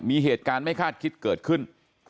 มีเหตุการณ์ไม่คาดคิดเกิดขึ้น